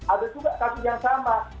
ada juga kasus yang sama